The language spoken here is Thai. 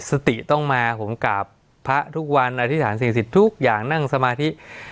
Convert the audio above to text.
สติต้องมาผมกราบพระทุกวันอธิษฐานสิ่งสิทธิ์ทุกอย่างนั่งสมาธิ